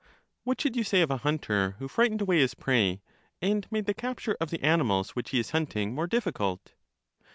What should you say of a hunter who frightened away his prey, and made the capture of the animals which he is hunting more difficult?